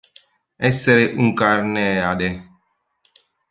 Essere un Carneade.